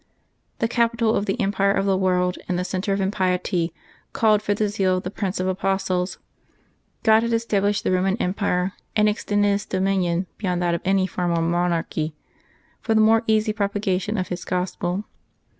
The capital of the empire of the world, and the centre of impiety, called for the zeal of the Prince of Apostles. God had established the Roman Empire, and extended its dominion beyond that of any former mon archy, for the more easy propagation of His Gospel.